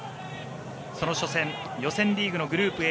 その初戦予選リーグのグループＡ